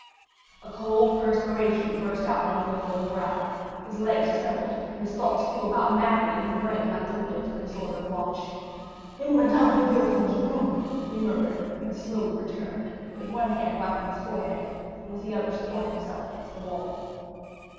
A cold perspiration burst out on Villefort's brow; his legs trembled, and his thoughts flew about madly in his brain like the wheels of a disordered watch. "In Madame de Villefort's room?" he murmured and slowly returned, with one hand wiping his forehead, and with the other supporting himself against the wall.